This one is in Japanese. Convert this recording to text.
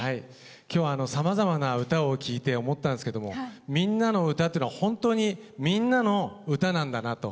今日はさまざまな歌を聴いて思ったんですけども「みんなのうた」っていうのは本当に「みんな」の「歌」なんだなと思いましたよね。